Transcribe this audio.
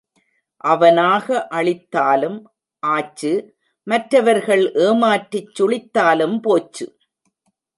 அவனாக அழித்தாலும் ஆச்சு மற்றவர்கள் ஏமாற்றிச் சுழித்தாலும் போச்சு.